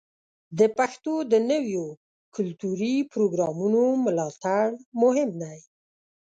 د پښتو د نویو کلتوري پروګرامونو ملاتړ مهم دی.